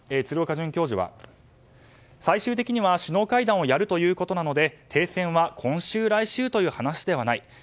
鶴岡准教授は最終的には首脳会談をやるということなので、停戦は今週、来週という話ではない。